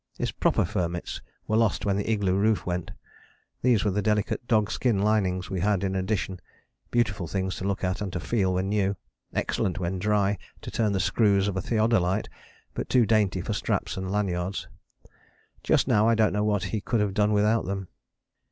His proper fur mitts were lost when the igloo roof went: these were the delicate dog skin linings we had in addition, beautiful things to look at and to feel when new, excellent when dry to turn the screws of a theodolite, but too dainty for straps and lanyards. Just now I don't know what he could have done without them.